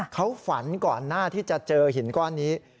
เขาฝันก่อนหน้าที่จะเจอหินก้อนนี้